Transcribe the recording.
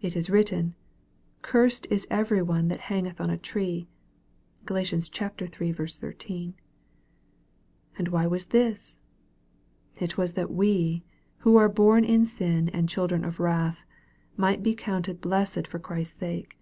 It is written, "Cursed is every one that hangeth on a tree." (Gal. iii. 13.) And why was this ? It was that ve, who are born in sin and children of wrath, might be counted blessed for Christ's sake.